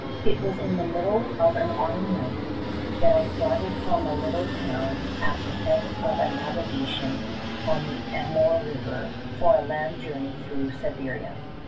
T was in the mid dle of an autumn night that I started from a lit tle town at the head of naviga tion on the Amoor river for a land journey through Siberia.